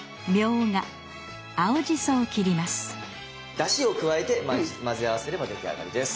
だしを加えて混ぜ合わせれば出来上がりです。